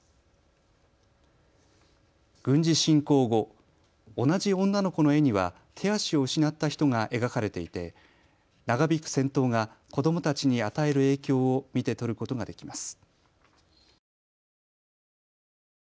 軍事侵攻後、同じ女の子の絵には手足を失った人が描かれていて長引く戦闘が子どもたちに与える影響を見て取ることができます。